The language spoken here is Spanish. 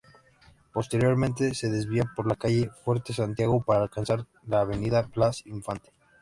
Posteriormente, se desvía por la Calle Fuerte Santiago para alcanzar la Avenida Blas Infante.